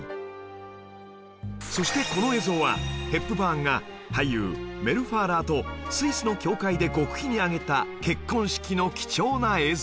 そしてこの映像はヘップバーンが俳優メル・ファーラーとスイスの教会で極秘に挙げた結婚式の貴重な映像